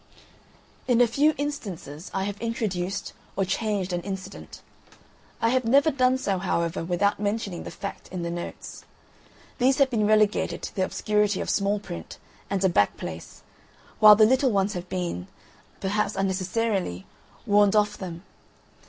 In a few instances I have introduced or changed an incident. I have never done so, however, without mentioning the fact in the Notes. These have been relegated to the obscurity of small print and a back place, while the little ones have been, perhaps unnecessarily, warned off them.